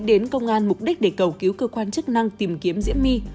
đến công an mục đích để cầu cứu cơ quan chức năng tìm kiếm diễm my